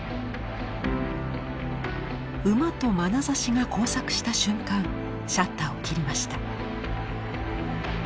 馬とまなざしが交錯した瞬間シャッターを切りました。